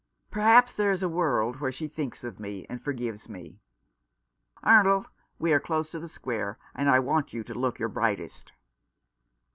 Perhaps there is a world where she thinks of me and forgives me." "Arnold, we are close to the square, and I want you to look your brightest."